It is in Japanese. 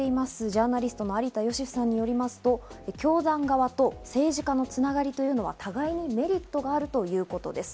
ジャーナリストの有田芳生さんによりますと、教団側と政治家のつながりというのは互いにメリットがあるということです。